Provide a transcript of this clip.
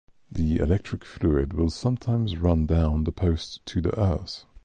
The electric fluid will sometimes run down the post to the earth.